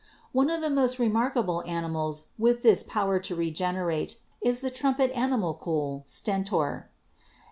One of the most remarkable animals with this power to regenerate is the trumpet animalcule Stentor.